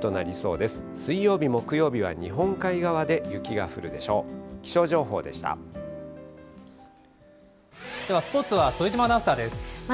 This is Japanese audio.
ではスポーツは副島アナウンサーです。